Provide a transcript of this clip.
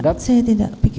tidak saya tidak pikirkan